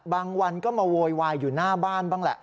วันก็มาโวยวายอยู่หน้าบ้านบ้างแหละ